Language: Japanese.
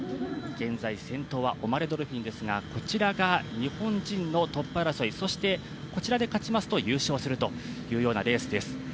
現在、先頭はオマレ・ドルフィンですがこちらが日本人のトップ争いこちらで勝ちますと優勝するというようなレースです。